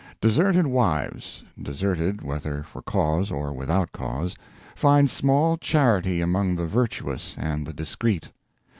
Deserted wives deserted whether for cause or without cause find small charity among the virtuous and the discreet.